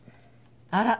あら。